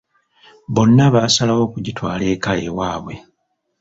Bonna basalawo okugitwala eka ewaabwe.